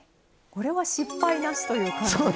これは失敗なしという感じで。